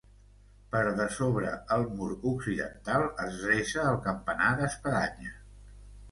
Per dessobre el mur occidental es dreça el campanar d'espadanya.